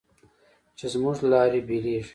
چې زموږ لارې بېلېږي